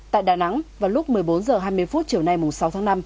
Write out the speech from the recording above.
tại đà nẵng vào lúc một mươi bốn h hai mươi chiều nay sáu tháng năm